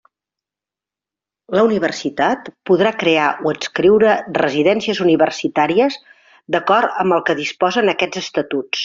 La Universitat podrà crear o adscriure residències universitàries d'acord amb el que disposen aquests Estatuts.